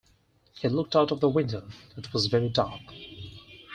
He looked out of the window — it was very dark.